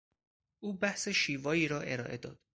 او بحث شیوایی را ارائه داد.